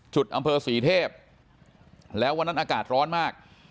อำเภอศรีเทพแล้ววันนั้นอากาศร้อนมาก